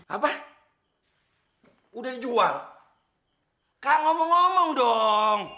apa udah dijual kak ngomong ngomong dong